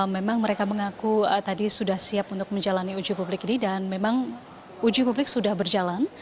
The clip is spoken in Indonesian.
memang mereka mengaku tadi sudah siap untuk menjalani uji publik ini dan memang uji publik sudah berjalan